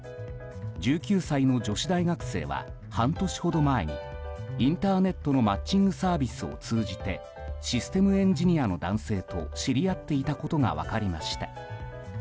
１９歳の女子大学生は半年ほど前にインターネットのマッチングサービスを通じてシステムエンジニアの男性と知り合っていたことが分かりました。